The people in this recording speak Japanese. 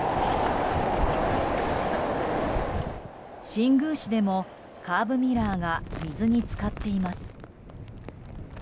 新宮市でも、カーブミラーが水に浸かっています。